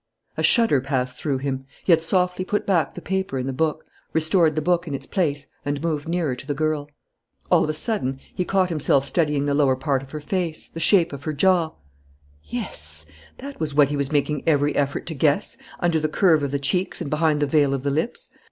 A shudder passed through him. He had softly put back the paper in the book, restored the book in its place, and moved nearer to the girl. All of a sudden, he caught himself studying the lower part of her face, the shape of her jaw! Yes, that was what he was making every effort to guess, under the curve of the cheeks and behind the veil of the lips.